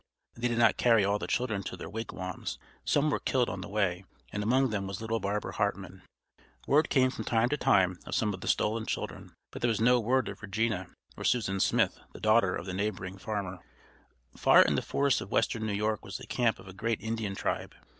They did not carry all the children to their wigwams; some were killed on the way; and among them was little Barbara Hartman. Word came from time to time of some of the stolen children, but there was no word of Regina or Susan Smith, the daughter of the neighboring farmer. Far in the forests of western New York was the camp of a great Indian tribe.